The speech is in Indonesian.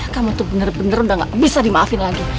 kamu tuh bener bener udah gak bisa dimaafin lagi